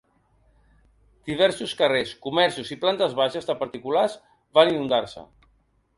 Diversos carrers, comerços i plantes baixes de particulars van inundar-se.